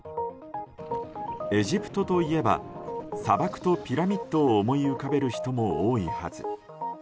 エジプトといえば砂漠とピラミッドを思い浮かべる人も多いはず。